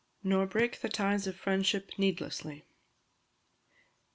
[NOR BREAK THE TIES OF FRIENDSHIP NEEDLESSLY.